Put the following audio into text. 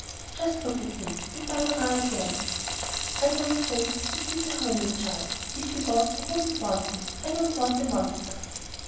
"Just look at him," said Barberin again. "I don't say that he is a homely child, if he was I wouldn't want him. I don't want a monster."